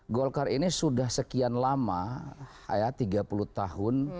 golkar ini sudah sekian lama ya tiga puluh tahun